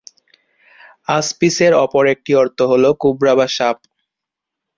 আসপিস-এর অপর একটি অর্থ হল কোবরা বা সাপ।